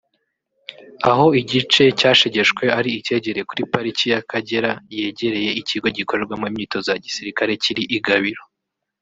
aho igice cyashegeshwe ari icyegereye kuri Pariki y’Akagera yegereye ikigo gikorerwamo imyitozo ya Gisirikari kiri i Gabiro